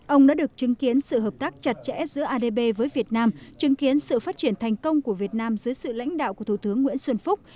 ông đã được chứng kiến sự hợp tác chặt chẽ giữa adb với việt nam chứng kiến sự phát triển thành công của việt nam dưới sự lãnh đạo của thủ tướng nguyễn xuân phúc